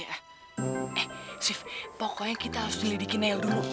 eh sif pokoknya kita harus ngelidikin nel dulu